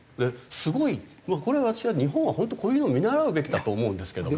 すごいこれは私は日本は本当にこういうのを見習うべきだと思うんですけども。